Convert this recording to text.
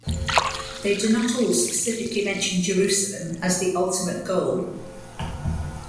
They do not all specifically mention Jerusalem as the ultimate goal.